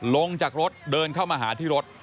ลงจากรถเดินเข้ามาหาที่รถ